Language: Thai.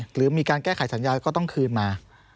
หรือมีการแก้ไขสัญญาก็ต้องคืนมา